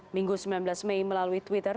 minggu sembilan belas mei melalui twitter